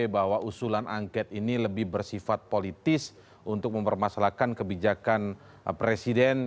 bahwa usulan angket ini lebih bersifat politis untuk mempermasalahkan kebijakan presiden